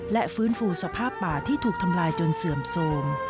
และฟื้นฟูสภาพป่าที่ถูกทำลายจนเสื่อมโทรม